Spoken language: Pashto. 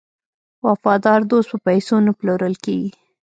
وفادار دوست په پیسو نه پلورل کیږي.